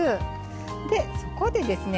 そこでですね